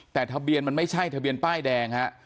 แต่ทะเบียนมันไม่ใช่ทะเบียนป้ายแดงฮะ